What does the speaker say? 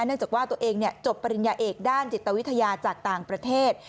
จากว่าตัวเองจบปริญญาเอกด้านจิตวิทยาจากต่างประเทศ